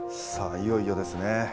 いよいよですね。